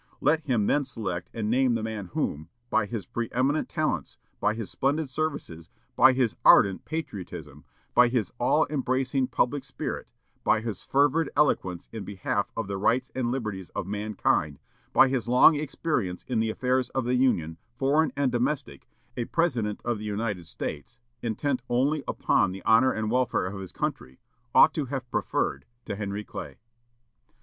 Let him then select and name the man whom, by his preëminent talents, by his splendid services, by his ardent patriotism, by his all embracing public spirit, by his fervid eloquence in behalf of the rights and liberties of mankind, by his long experience in the affairs of the Union, foreign and domestic, a President of the United States, intent only upon the honor and welfare of his country, ought to have preferred to Henry Clay."